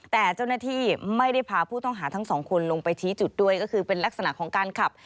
แต่เจ้าหน้าที่ไม่ได้พาผู้ต้องหาทั้งสองคนลงไปชี้จุดด้วยก็คือเป็นลักษณะของการขับ